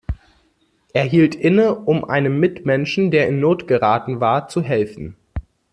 Er hielt inne, um einem Mitmenschen, der in Not geraten war, zu helfen.